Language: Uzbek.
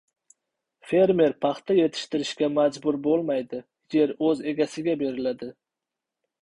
Fermer paxta yetishtirishga majbur bo‘lmaydi, yer o‘z egasiga beriladi